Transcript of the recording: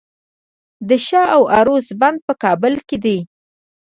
د شاه و عروس بند په کابل کې دی